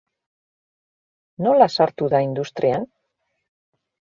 Nola sartu da industrian?